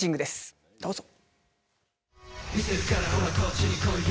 どうぞ。